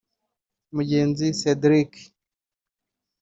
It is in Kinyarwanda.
Mugenzi Cedrick